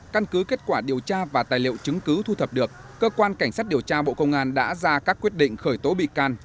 căn cứ kết quả điều tra và tài liệu chứng cứ thu thập được cơ quan cảnh sát điều tra bộ công an đã ra các quyết định khởi tố bị can